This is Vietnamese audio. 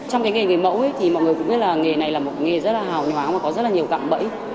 trong cái nghề mẫu ấy thì mọi người cũng biết là nghề này là một nghề rất là hào nhóa mà có rất là nhiều cặng bẫy